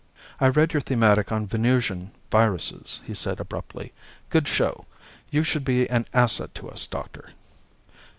"I read your thematic on Venusian viruses," he said abruptly. "Good show. You should be an asset to us, Doctor."